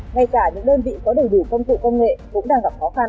ngay cả những đơn vị có đầy đủ công cụ công nghệ cũng đang gặp khó khăn